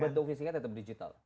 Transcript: bentuk fisiknya tetap digital